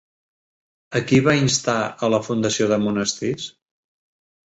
A qui va instar a la fundació de monestirs?